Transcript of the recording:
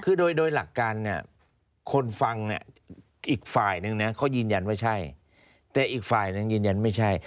คือโดยหลักการเนี่ยคนฟังเนี่ยอีกฝ่ายนึงนะเขายืนยันว่าใช่แต่อีกฝ่ายนึงยืนยันไม่ใช่